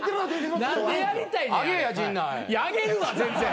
あげるわ全然。